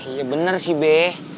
iya benar sih be